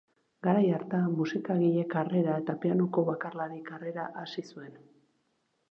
Garai hartan, musikagile-karrera eta pianoko bakarlari-karrera hasi zuen.